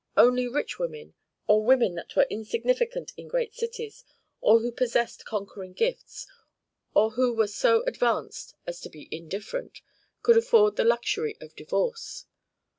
Only rich women, or women that were insignificant in great cities, or who possessed conquering gifts, or who were so advanced as to be indifferent, could afford the luxury of divorce.